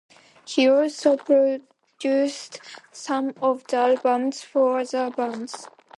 He also produced some of the albums for other bands.